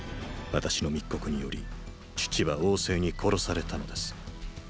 私の密告により父は王政に殺されたのです。